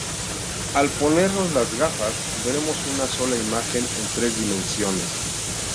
Al ponernos las gafas, veremos una sola imagen en tres dimensiones.